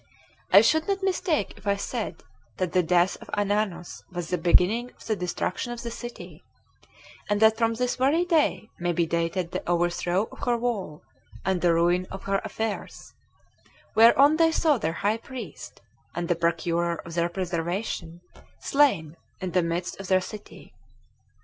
I should not mistake if I said that the death of Ananus was the beginning of the destruction of the city, and that from this very day may be dated the overthrow of her wall, and the ruin of her affairs, whereon they saw their high priest, and the procurer of their preservation, slain in the midst of their city.